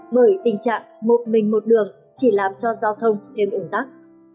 bởi tình trạng một mình một đường chỉ làm cho giao thông thêm ủn tắc